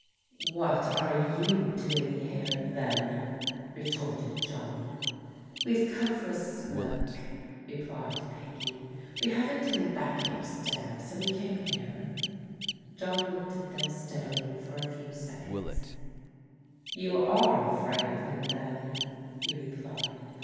" What are you doing here then ?" retorted John. "We've come for a smoke," replied Peggy. "We hadn't any baccy up stairs, so we came here." John looked at them steadily for a few seconds. " You are afraid of him then," he replied.